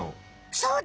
そうだ！